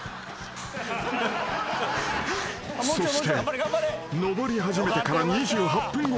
［そして上り始めてから２８分後］